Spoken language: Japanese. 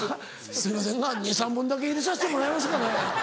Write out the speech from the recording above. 「すいませんが２３本だけ入れさせてもらえますかね？」。